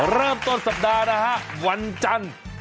เริ่มต้นสัปดาห์นะฮะวันจันทร์